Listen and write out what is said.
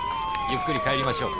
ゆっくり帰りましょう。